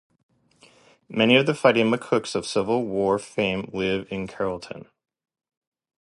Many of the Fighting McCooks of Civil War fame lived in Carrollton.